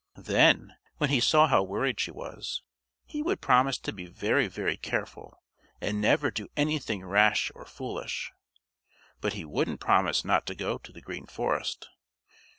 Then, when he saw how worried she was, he would promise to be very, very careful and never do anything rash or foolish. But he wouldn't promise not to go to the Green Forest.